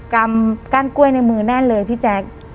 กล้างกาดกล้วยในมือแน่นเลยพี่แจ๊ก